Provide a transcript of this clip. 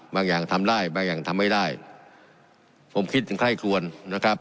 อย่างทำได้บางอย่างทำไม่ได้ผมคิดถึงใคร่ควรนะครับ